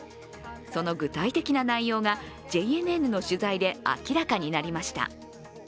その具体的な内容がＪＮＮの取材で明らかになりました。